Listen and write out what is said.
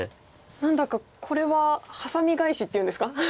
何だかこれはハサミ返しっていうんですか。